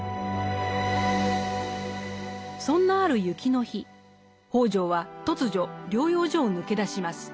そんなある雪の日北條は突如療養所を抜け出します。